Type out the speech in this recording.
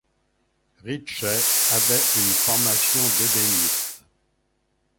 Ritchey avait une formation d'ébéniste.